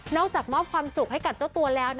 อกจากมอบความสุขให้กับเจ้าตัวแล้ว